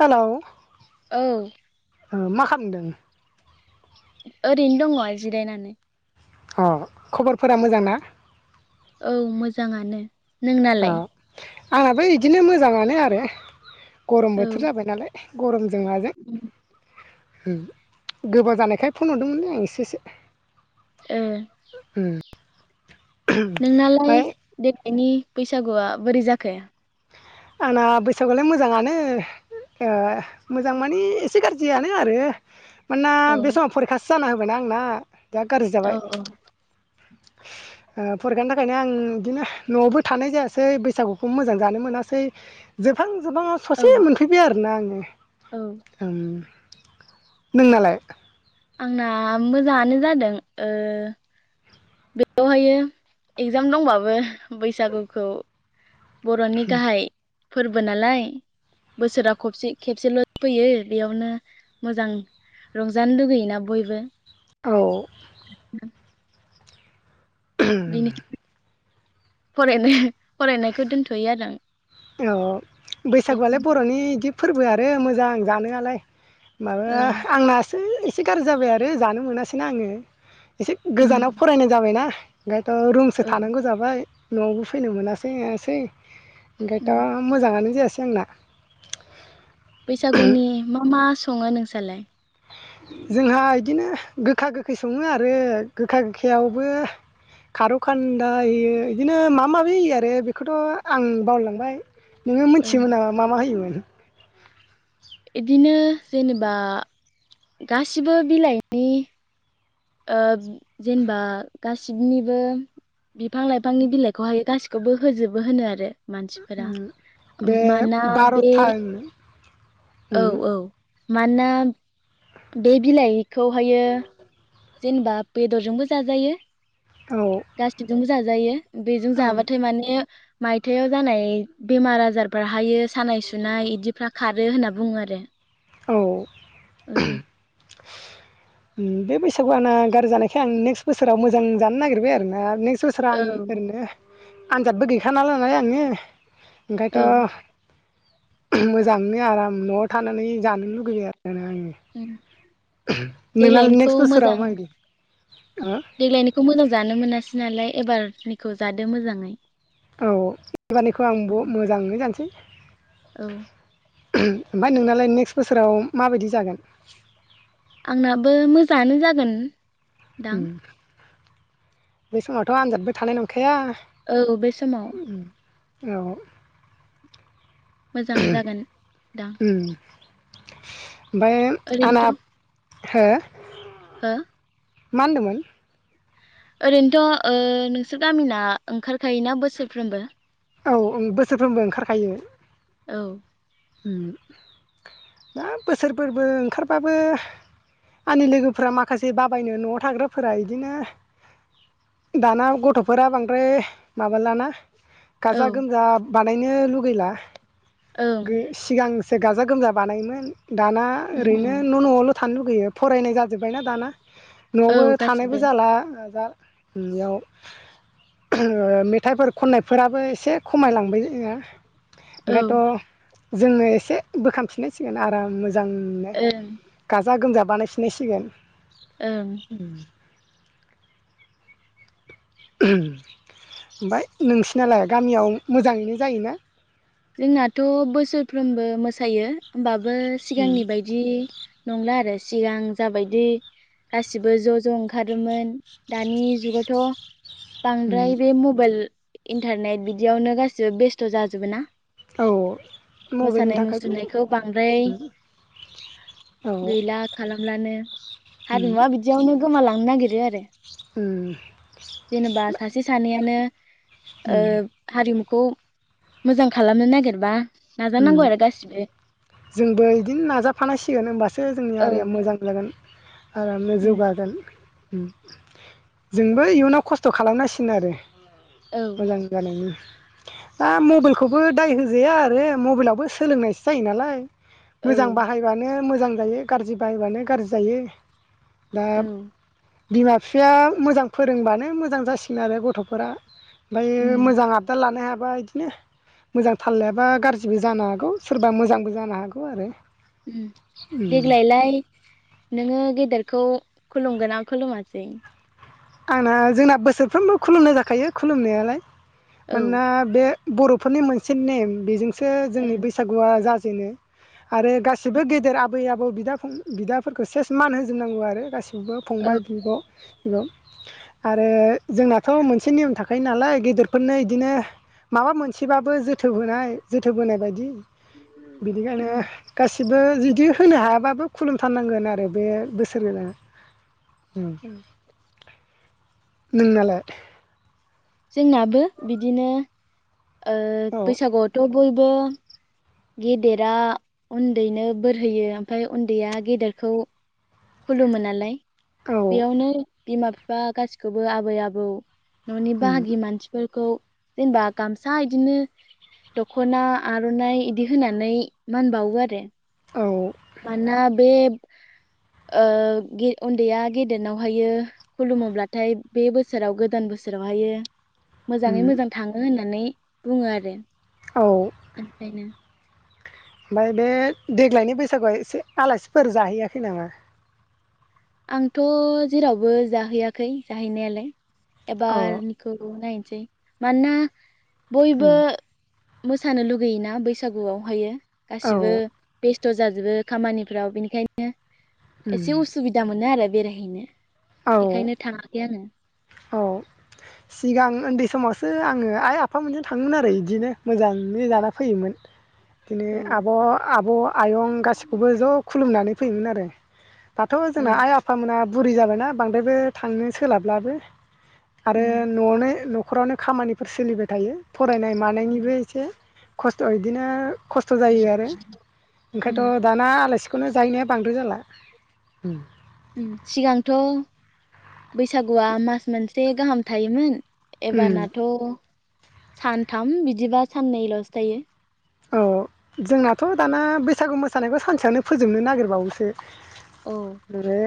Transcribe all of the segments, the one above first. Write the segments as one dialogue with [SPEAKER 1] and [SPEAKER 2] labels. [SPEAKER 1] Hello
[SPEAKER 2] औ
[SPEAKER 1] ओ मा खालामदों?
[SPEAKER 2] ओरैनो दङ जिरायनानै।
[SPEAKER 1] अ खबरफोरा मोजां ना?
[SPEAKER 2] औ मोजाङानो।
[SPEAKER 1] अ
[SPEAKER 2] नोंनालाय?
[SPEAKER 1] आंनाबो इदिनो मोजाङानो आरो गरम
[SPEAKER 2] औ
[SPEAKER 1] बोथोर जाबाय नालाय गरम जों माजों उम गोबाव जानायखाय फन हरदोंमोनलै आं एसे एसे।
[SPEAKER 2] ए नोंनालाय
[SPEAKER 1] ओमफ्राय
[SPEAKER 2] बे नि बैसागुआ बोरै जाखो?
[SPEAKER 1] आंना बैसागुआलाय मोजाङानो ओ मोजां माने एसे गाज्रियानो आरो मानोना
[SPEAKER 2] औ
[SPEAKER 1] बे समाव फरिखासो जाना होबाय आंना। बेराद गाज्रि
[SPEAKER 2] औ
[SPEAKER 1] जाबाय।
[SPEAKER 2] औ
[SPEAKER 1] ओ फरिखानि थाखायनो आं बिदिनो न'आवबो थानाय जायासै बैसागुखौ मोजां जानो मोनासै जोबहां जोबहां आव
[SPEAKER 2] औ
[SPEAKER 1] ससे मोनफैबाय आरोना आङो। [unintelligible]
[SPEAKER 2] औ
[SPEAKER 1] ओ उम नोंनालाय?
[SPEAKER 2] आंना मोजाङानो जादों ओ बेवहाय एगजाम दंबाबो बैसागुखौ बर'नि गाहाय फोरबो नालाय बोसोरा खबसे खेबसेल' फैयो बेयावनो मोजां रंजानो लुगैयोना बयबो
[SPEAKER 1] औ [inaudible]
[SPEAKER 2] फरायनाय फरायनायखौ दोनथ'यो आरो आं
[SPEAKER 1] औ
[SPEAKER 2] बे
[SPEAKER 1] बैसागुआलाय
[SPEAKER 2] समाव
[SPEAKER 1] बर'नि बिदि फोरबोआ आरो मोजां जानोयालाय माबा
[SPEAKER 2] ओं
[SPEAKER 1] आंनासो सि गार जाबाय आरो जानो मोनासैना आङो एसे
[SPEAKER 2] उम
[SPEAKER 1] गोजानाव फरायनाय जाबायनाा [inaudible] रुमसो
[SPEAKER 2] ओं
[SPEAKER 1] थानांगौ जाबाय न'आवबो फैनो मोनासै मोनासै ओंखायथ'
[SPEAKER 2] उम
[SPEAKER 1] मोजाङानो जायासै जोंना
[SPEAKER 2] बैसागुनि मा मा सङो नोंसोरलाय
[SPEAKER 1] जोंहा बिदिनो गोखा गोखै सङो आरो गोखा गोखैयावबो खारौखान्दाय होयो बिदिनो माबा माबि होयो आरो बेखौथ' आं बावलायलांबाय नोङो
[SPEAKER 2] ओं
[SPEAKER 1] मोनथियोमोन नामा मा मा होयोमोन
[SPEAKER 2] बिदिनो जेनेबा गासिबो बिलाइनि ओ जेनेबा गासिबनिबो बिफां लाइफांनि बिलाइखौ हायो गासिबो खौबो होजोबो होनो आरो मानसिफोरा
[SPEAKER 1] बे
[SPEAKER 2] मानोना बे
[SPEAKER 1] बार'था
[SPEAKER 2] औ
[SPEAKER 1] उम
[SPEAKER 2] औ मानोना बे बिलाइखौहायो जेनेबा बेदरजोंबो जाजायो
[SPEAKER 1] औ
[SPEAKER 2] गासिबजोंबो जाजायो बेजों
[SPEAKER 1] औ
[SPEAKER 2] जाबाथाय माने मायथायाइाव जानाय बेमार आजारफोर हायो सानाय सुनाय बिदिफ्रा खारो होनना बुङो आरो
[SPEAKER 1] औ
[SPEAKER 2] औ
[SPEAKER 1] उम बे बैसागु आना गारजानायखाय आं नेक्स्ट बोसोराव मोजां जानो नागिरबाय आरोना नेक्स्ट [unintelligible]
[SPEAKER 2] औ
[SPEAKER 1] ओरैनो आनजादबो गैखा [unintelligible] नालाय आंङो ओंखायथ'
[SPEAKER 2] औ
[SPEAKER 1] मोजांनो आराम न'आव थानानै जानो लुुबैगैयो आर
[SPEAKER 2] उम।
[SPEAKER 1] [unintelligible]
[SPEAKER 2] देग्लायनिखौ मोजां देग्लायनिखौ मोजां जानो मोन मोनासै नालाय एबारनिखौ जादो मोजाङै।
[SPEAKER 1] औ एबारनिखौ आं बु मोजाङै जानोसै
[SPEAKER 2] औ
[SPEAKER 1] ओमफाय नोंनालाय नेक्स्ट बोसोराव माबादि जागोन?
[SPEAKER 2] आंनाबो मोजाङानो जागोन दां
[SPEAKER 1] उम बे समावथ' आनजादबो थानाय नंखा
[SPEAKER 2] औ बे समाव
[SPEAKER 1] औ
[SPEAKER 2] मोजां जागोन दा
[SPEAKER 1] ओमफाय आनाब हो
[SPEAKER 2] हो
[SPEAKER 1] मा होनदोमोन?
[SPEAKER 2] ओरैनोथ' ओ नोंसोर गामिना ओंखारखायोना बोसोरफ्रोमबो?
[SPEAKER 1] औ ओं बोसोरफ्रोमबो ओंखारखायो।
[SPEAKER 2] औ
[SPEAKER 1] उम दा बोसोरफोरबो ओंखारबाबो आंनि लोगोफ्रा माखासे बाबायनो न'आव थाग्राफोरा इदिनो दाना गथ'फोरा बांद्राय माबालाना
[SPEAKER 2] औ
[SPEAKER 1] गाजा गोमजा बानायनो लुगैला
[SPEAKER 2] ओं
[SPEAKER 1] गो सिगां सो गाजा गोमजा बानायोमोन। दाना
[SPEAKER 2] उम
[SPEAKER 1] ओरैनो
[SPEAKER 2] उम
[SPEAKER 1] न' न'आवल' थानो लुगैयो फरायनाय जाजोब्बायना दाना
[SPEAKER 2] औ
[SPEAKER 1] न'आवबो थानायबो
[SPEAKER 2] गासिबो
[SPEAKER 1] जाला द [unintelligible] बेयाव मेथाइफोर खननायफोराबो एसे खमायलांबाय [unintelligible]
[SPEAKER 2] औ
[SPEAKER 1] ओंखायथ' जोंनो एसे बोखांफिननांसिगोन आराम मोज
[SPEAKER 2] ओं
[SPEAKER 1] गाजा गोमजा बानाय फिननायसिगोन
[SPEAKER 2] ओं
[SPEAKER 1] ओमफ्राय नोंसिनालाय गामियाव मोजाङैनो जायोना
[SPEAKER 2] जोंनाथ' बोसोरफ्रोमबो मोसायो होमबा बो
[SPEAKER 1] उम
[SPEAKER 2] सिगांनि बायदि नंला आरो सिगां जाबायदि गासिबो ज' ज' ओंखारोमोन दानि जुगावथ'
[SPEAKER 1] उम
[SPEAKER 2] बांद्राय बे मबाइल इन्टारनेट बिदियावनो गासिबो बेस्थ' जाजोबो ना
[SPEAKER 1] औ मबाइलनि
[SPEAKER 2] मोसानाय
[SPEAKER 1] थाखायबो
[SPEAKER 2] मुसुरनायखौ बांद्राय
[SPEAKER 1] उम औ
[SPEAKER 2] गैला खालामब्लानो
[SPEAKER 1] उम
[SPEAKER 2] हारिमुवा बिदियावनो गोमालां थांनो नागिरो आरो
[SPEAKER 1] उम
[SPEAKER 2] जेनेबा सासे सानैयानो ओ
[SPEAKER 1] उम
[SPEAKER 2] हारिमु खौ मोजां खालामनो नागिरबा
[SPEAKER 1] ओम
[SPEAKER 2] नाजानांगौ आरो गासिबो
[SPEAKER 1] जोंबो इदिनो नाजाफानांसिगोन होमबा एसे जोंनि
[SPEAKER 2] औ
[SPEAKER 1] हारिया मोजां जागोन आरामनो
[SPEAKER 2] उम
[SPEAKER 1] जौगागोन जोंबो इयुनाव खस्थ' खालामनांसिनो आरो
[SPEAKER 2] औ
[SPEAKER 1] मोजां जानायनि दा मबाइलखौबो दाय होजाया आरो मबाइलावबो सोलोंनायसो जायो नालाय
[SPEAKER 2] औ
[SPEAKER 1] मोजां बाहायबानो मोजां मोजां जायो गारजि बाहायबानो गारजि जायो दा
[SPEAKER 2] औ
[SPEAKER 1] बिमा बिफाया मोजां फोरोंबानो मोजां जासिगोन आरो गथ'फोरा ओमफ्राय
[SPEAKER 2] उम
[SPEAKER 1] मोजां आबदाल लानो हा बा इदिनो मोजां थाल लायाबा गारज बो जानो हागौ सोरबा मोजांबो जानो हागौ आरो
[SPEAKER 2] ओम देग्लायलाय नोङो गेदेरखौ खुलुमगोना खुलुमासै
[SPEAKER 1] आंना जोंना बोसोरफ्रोमबो खुलुमनाय जाखायो खुलुमनायालाय
[SPEAKER 2] औ
[SPEAKER 1] मानोना बे बर'फोरनि मोनसे नेम बेजों सो जोंनि
[SPEAKER 2] ओं
[SPEAKER 1] बैसागुआ जा जोंङो। आरो गासिबो गेदेर आबै आबौ बिथ दा फं बिदाफोरखौ सेस मान होजोबनांगौ आरो गाैस बिब'
[SPEAKER 2] औ
[SPEAKER 1] फंबाय बिब'। य। आरो जोंना' मोनसे नियम थाखायो नालाय गेदेरफोरनो इदिनो माबा मोनसेबाबो जोथोब होनोनाय जोथोब होनायबायदि। बिदिखायनो
[SPEAKER 2] उम
[SPEAKER 1] गासिबो‌। जिदि होनो हायाबाबो खुलुमथारनांगोन आरो बे बोसोर गोदान
[SPEAKER 2] उम।
[SPEAKER 1] नोंनालाय।
[SPEAKER 2] जोंनाबो बिदिनो। ओ
[SPEAKER 1] औ
[SPEAKER 2] बैसागुआवथब बयबो। गेदेरा उन्दैनो बोरहयो ओमफाय उन्दैया गेदेरखौ खुलुमोनालाय।
[SPEAKER 1] औ
[SPEAKER 2] बेयावनो बिमा फिफ। बा गासिखौबो आबै आबौ। न'नि
[SPEAKER 1] उम
[SPEAKER 2] बाहागि मानसिफोरख खौ जेनबा गामसा इदिनो दखना आरनाइ इदि होनानै मानबावो आरो।
[SPEAKER 1] औ
[SPEAKER 2] मानना बेब ओ गे उन्दैया गेदेरनावहायो खुलुमोब्लाथाय बे बोसोराव गोदान बोसोरावहायो। मोजाङै
[SPEAKER 1] उम
[SPEAKER 2] मोजां थाङो होननाय नै बुङो आरो। [unintelligible]
[SPEAKER 1] मबाय बे देग्लायनि बैसागुआ एसे आलासिफोर जाहैयाखै नामा?
[SPEAKER 2] आंथ जेरावबो जाहैयाखै जाहैनायालाय।
[SPEAKER 1] अ
[SPEAKER 2] एबार निखौ नयन सौ मानना। बयबो।
[SPEAKER 1] उम
[SPEAKER 2] मोसानो लुगैयोना बैसागुआवहायो?
[SPEAKER 1] औ
[SPEAKER 2] गासिबो बेस थ जाजोबो खामानिफ्राव बेनिखायनो।
[SPEAKER 1] उम
[SPEAKER 2] एसे उसुबिद नो आरो बेरायहैनो।
[SPEAKER 1] औ
[SPEAKER 2] थाङाखै आङो
[SPEAKER 1] औ सिगां ओन्दै समाव सो आङो आइ आफा मोनजों थाङोमोन आरो इदिनो मोजाङै जाना फैयोमोन। दिनो
[SPEAKER 2] औ
[SPEAKER 1] आब, आब, आयं गासिखौबो ज' खुलुमनानै फैयोमोन आरो दाथ'
[SPEAKER 2] औ
[SPEAKER 1] जोंना आइ आफामोना बुरि जाबायना बांद्रायबो थांनो सोलाबलाबो आरो
[SPEAKER 2] उम
[SPEAKER 1] न'आवनो न' खरावनो खामानिफोर सोलिबाय थायो। फरायनाय मानायनिबो एसे खस्थ इदिनो खस्थ जायो आरो ओंखायथ'
[SPEAKER 2] उम
[SPEAKER 1] दाना आलाय सि खौनो जाहैनाया बांद्राय जाला।
[SPEAKER 2] उम सिगांथ बैसागुआ मास मोनसे गाहाम थायोमोन।
[SPEAKER 1] उम
[SPEAKER 2] एबारनाथ' सानथाम बिदिबा साननैल'सो थायो।
[SPEAKER 1] औ जोंनाथ' दाना बैसागु मोसानायखौ सानसेयावनो फोजोबनो नागिरबावोसो।
[SPEAKER 2] औ
[SPEAKER 1] बे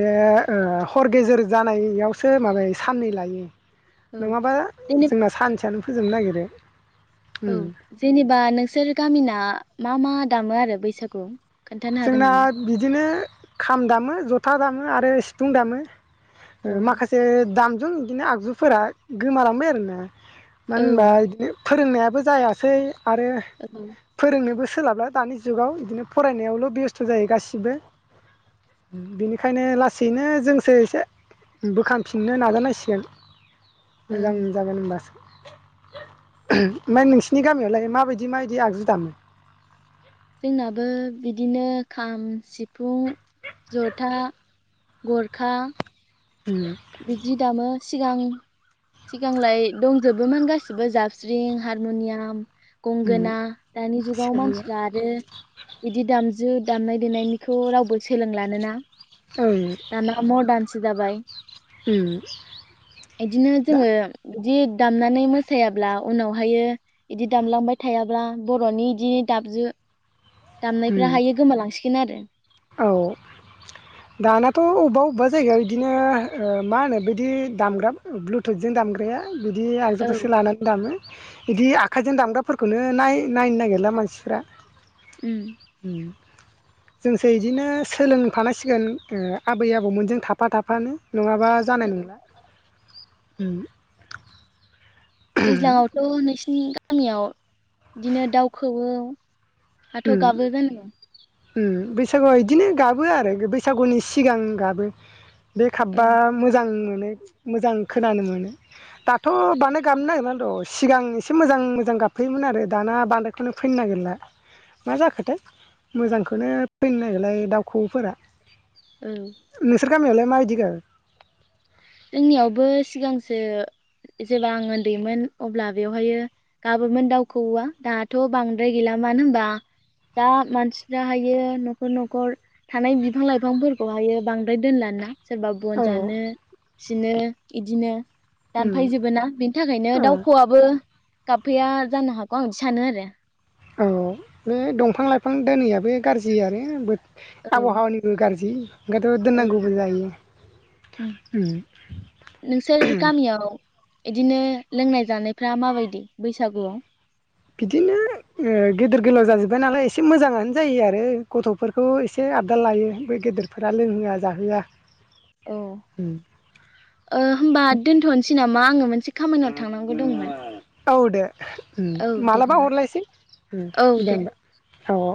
[SPEAKER 1] बे ओ हर गेजेर जानायावसो माबाय साननै लायो। नोङाबा
[SPEAKER 2] जेने
[SPEAKER 1] जोंना सानसेयानो फोजोबनो नागिरो।
[SPEAKER 2] औ
[SPEAKER 1] उम
[SPEAKER 2] जेनेब बा नोंसोर गामिना मा मा दामो आरो बैसागु
[SPEAKER 1] जोंना बिदिनो खाम दामो ज' था दामो आरो सिफुं दामो। ओ
[SPEAKER 2] औ
[SPEAKER 1] माखासे दाम जों इदिनो आगजुफोरा गोमालांबाय आरोना। मानो
[SPEAKER 2] औ
[SPEAKER 1] होमबा इदिनो फोरोंनायाबो जायासै आरो
[SPEAKER 2] औ
[SPEAKER 1] फोरोंनोबो सोलाबला दानि जुगाव इदिनो फरायनायावल' बेस्थ जायो गासिबो । बेनिखायनो लासैनो जोंसो एसे बोखांफिननो नाजानांसिगोन। मोजां
[SPEAKER 2] ओं
[SPEAKER 1] जागोन होनबासो। ओमाय नोंसिनि गामियावलाय मा बायदि मा बायदि आगजु दामो?
[SPEAKER 2] जोंनाबो बिदिनो खाम, सिफुं, जथा, गरखा
[SPEAKER 1] उम
[SPEAKER 2] बिदि दामो। सिगां सिगांलाय दंजोबोमोन गासिबो जाबस्रिं, हारमुनियाम
[SPEAKER 1] उम
[SPEAKER 2] गंगोना दानि जुगाव
[SPEAKER 1] सेरजा
[SPEAKER 2] मानसिफ्रा आरो इदि दामजु दामनाय देनायनिखौ रावबो सोलोंलानो ना।
[SPEAKER 1] औ
[SPEAKER 2] दाना मर्दान सो दाबाइ इदिनो
[SPEAKER 1] दा
[SPEAKER 2] जोङो इदि दामनानै मोसायाब्ला उनावहायो इदि दामलांबाय थायाब्ला बर'नि इदि दामजु दामनायफ्रा
[SPEAKER 1] उम
[SPEAKER 2] हायो गोमालांसि गोन आरो
[SPEAKER 1] औ दानाथ' अबबा अबबा जायगायाव इदिनो ओ मा होनो बिदि दामग्रा ब्लुथुथजों दामग्राया बिदि
[SPEAKER 2] औ
[SPEAKER 1] आगजुखौसो लानानै दामो। इदि आखाइजों दामग्राफोरखौनो नाय नायनो नागिरला मानसिफ्रा।
[SPEAKER 2] उम
[SPEAKER 1] उम [inaudible] जोंसो इदिनो सोलोंफानांसिगोन ओ आबै आबौमोनजों थाफा थाफानो। नङाबा जानाय नंला। ओम
[SPEAKER 2] दैज्लांङावथ' नोंसिनि गा गामियाव बिदिनो दाउखौवौ हाथ' गाबो जानांगौ
[SPEAKER 1] सागुआव इदिनो गाबो आरो बैसागुनि सिगां गाबो। बे
[SPEAKER 2] औ
[SPEAKER 1] खाबबा मोजां मोनो। मोजां खोनानो मोनो दाथ' बांद्राय गाबनो नागिरला र' सिगां एसे मोजां मोजां गाबफैयोमोन आरो दाना बांद्रायखौनो फैनो नागिरला। मा जाखोथाय मोजांखौनो फैनो नागिरलाय दाउखौवौफोरा।
[SPEAKER 2] औ
[SPEAKER 1] गामियावलाय माबायदि गाबो?
[SPEAKER 2] जोंनियावबो सिगांसो जेब्ला आं उन्दैमोन अब्ला बेवहायो गाबोमोन दाउखौवौआ दाथ' बांद्राय गैला मानो होनबा दा मानसिफाहायो न'खर न'खर थानाय बिफां लाइफांफोरखौहायो बांद्राय दोनला ना। सोरबा बन
[SPEAKER 1] औ
[SPEAKER 2] जानो सिनो इदिनो।
[SPEAKER 1] उम
[SPEAKER 2] दानफायजोबो ना बेनि थाखायनो
[SPEAKER 1] औ
[SPEAKER 2] दाउखौवौआबो गाबफैया जानो हागौ आं इदि सानो आरो
[SPEAKER 1] औ बे दंफां लाइफां दोनैयाबो गाज्रिआनो बो
[SPEAKER 2] औ औ
[SPEAKER 1] आबहावानिबो गाज्रि ओंखायथ'
[SPEAKER 2] उम
[SPEAKER 1] दोननांगौबो जाय।
[SPEAKER 2] नोंसोर
[SPEAKER 1] उम
[SPEAKER 2] गामियाव इदिनो लोंनाय जानायफ्रा माबायदि बैसागुआव?
[SPEAKER 1] बिदिनो ओ गेदेर गोलाव जाजोब्बाय नालाय एसे मोजाङानो जायो आरो गथ'फोरखौ एसे आबदाल लायो बै गेदेरफोरा लोंहोआ जाहोआ।
[SPEAKER 2] अ ओ होमबा दोनथ'नोसै ना मा आङो मोनसे खामानियाव थांनांगौ दंमोन
[SPEAKER 1] औ दो
[SPEAKER 2] औ
[SPEAKER 1] ओम
[SPEAKER 2] दे
[SPEAKER 1] मालाबा
[SPEAKER 2] होमबा
[SPEAKER 1] हरलायसै ओम दे होमबा औ औ